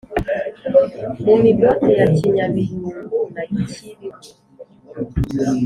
mu migote ya kinyabiyumbu na cyibihu!